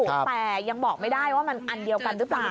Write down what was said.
แต่ยังบอกไม่ได้ว่ามันอันเดียวกันหรือเปล่า